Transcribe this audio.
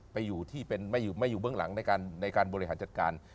ไปอยู่ที่เป็นไม่อยู่เบื้องหลังในการบริหารจัดการ